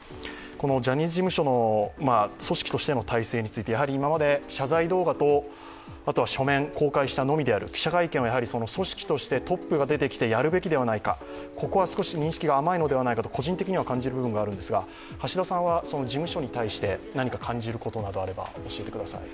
ジャニーズ事務所の組織としての体制について今まで謝罪動画と書面を公開したのみである記者会見を組織としてトップが出てきて、やるべきではないかここは少し認識が甘いのではないかと個人的に感じる部分がありますが橋田さんは事務所に対して何か感じることなどあれば教えてください。